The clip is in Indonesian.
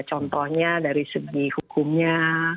contohnya dari segi hukumnya